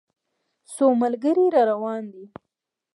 څو ملګري را روان دي.